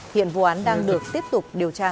hiện vụ án đang được tiếp tục điều tra